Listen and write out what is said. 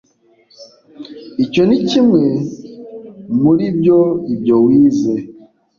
icyo ni kimwe muribyoibyo wize